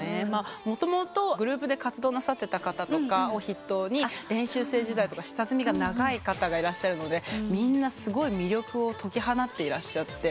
もともとグループで活動なさってた方とかを筆頭に練習生時代とか下積みが長い方がいらっしゃるのでみんなすごい魅力を解き放っていらっしゃって。